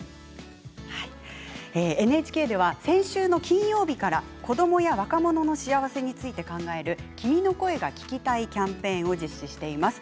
ＮＨＫでは先週の金曜日から子どもや若者の幸せについて考える「君の声が聴きたい」キャンペーンを実施しています。